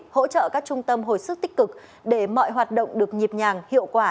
hỗ trợ các trung tâm hồi sức tích cực để mọi hoạt động được nhịp nhàng hiệu quả